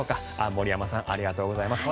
森山さんありがとうございます。